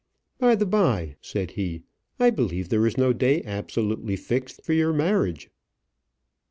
"By the by," said he, "I believe there is no day absolutely fixed for your marriage."